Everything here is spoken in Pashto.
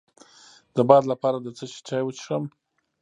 د باد لپاره د څه شي چای وڅښم؟